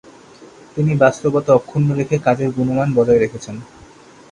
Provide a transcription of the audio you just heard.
তিনি বাস্তবতা অক্ষুণ্ন রেখে কাজের গুণমান বজায় রেখেছেন।